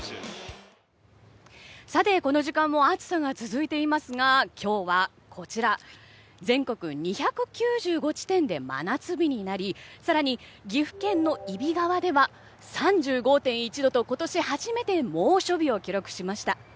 この時間も暑さが続いていますが今日は全国２９５地点で真夏日になり更に、岐阜県の揖斐川では３５．１度と今年初めて猛暑日を記録しました。